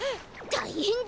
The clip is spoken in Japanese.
たいへんだ！